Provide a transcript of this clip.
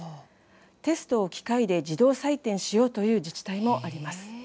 テストを機械で自動採点しようという自治体もあります。